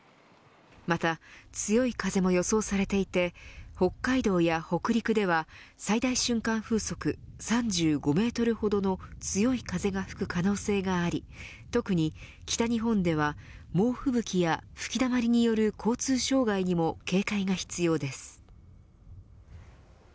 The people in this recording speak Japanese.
また、強い風も予想されていて北海道や北陸では最大瞬間風速３５メートルほどの強い風が吹く可能性があり特に北日本では猛ふぶきや吹きだまりによる交通障害にも警戒が必要です。